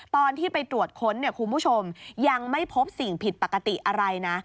ตอนที่ไปตรวจค้นเนี่ยคุณผู้ชมยังไม่พบสิ่งผิดปกติอะไรนะ